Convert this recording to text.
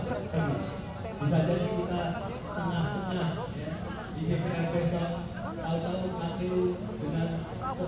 tetapi bukan hanya satu satunya